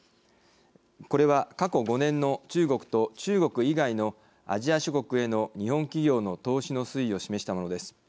これは、過去５年の中国と中国以外のアジア諸国への日本企業の投資の推移を示したものです。